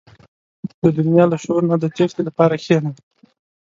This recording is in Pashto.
• د دنیا له شور نه د تیښتې لپاره کښېنه.